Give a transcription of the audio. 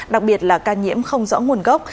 đặc biệt là ca nhiễm không rõ nguồn gốc